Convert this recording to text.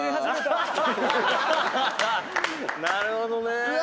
なるほどねぇ。